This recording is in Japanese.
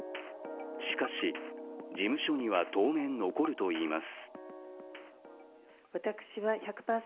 しかし、事務所には当面残るといいます。